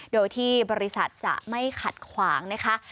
โดยที่บริษัทจะไม่ขัดขวางนะคะ